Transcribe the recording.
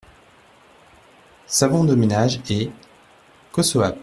Savon de ménage et : Cossoap.